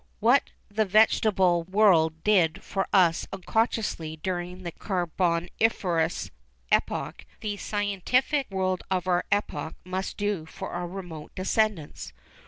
What the vegetable world did for us unconsciously during the Carboniferous Epoch, the scientific world of our epoch must do for our remote descendants.